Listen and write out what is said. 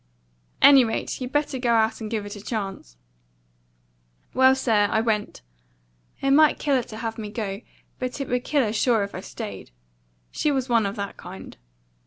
Any rate, you better go out and give it a chance.' Well, sir, I went. I knew she meant business. It might kill her to have me go, but it would kill her sure if I stayed. She was one of that kind.